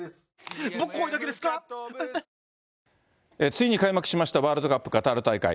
ついに開幕しましたワールドカップカタール大会。